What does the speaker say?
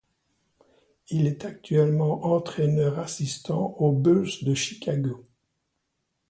Il est actuellement entraîneur assistant aux Bulls de Chicago.